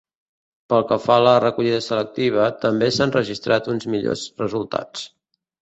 Pel que fa a la recollida selectiva també s’han registrat uns millors resultats.